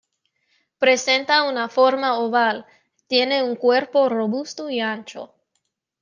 Presenta una forma oval, tiene un cuerpo robusto y ancho.